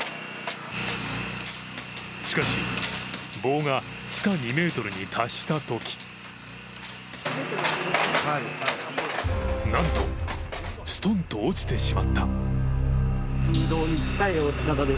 しかし、棒が地下２ｍに達したときなんと、ストンと落ちてしまった。